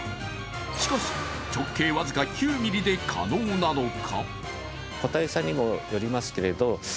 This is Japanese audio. しかし、直径僅か９ｍｍで可能なのか。